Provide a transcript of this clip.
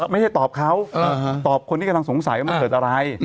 ไม่ใช่ตอบเขาตอบคนที่กำลังสงสัยว่ามันเกิดอะไร